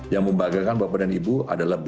yang membagakan bapak dan ibu adalah